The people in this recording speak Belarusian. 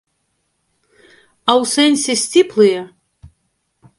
А ў сэнсе, сціплыя?